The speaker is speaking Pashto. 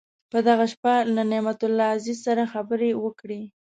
په دغه شپه له نعمت الله عزیز سره خبرې وکړې.